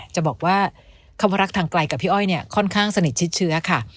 จะบอกว่าคำว่ารักทางไกลกับพี่อ้อยเนี่ยค่อนข้างสนิทชิดเชื้อค่ะ